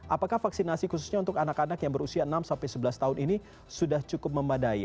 apakah vaksinasi khususnya untuk anak anak yang berusia enam sampai sebelas tahun ini sudah cukup memadai